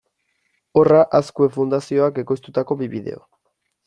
Horra Azkue Fundazioak ekoiztutako bi bideo.